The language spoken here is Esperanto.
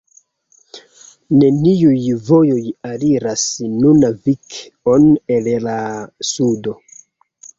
Neniuj vojoj aliras Nunavik-on el la sudo.